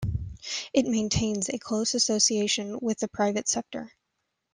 It maintains a close association with the private sector.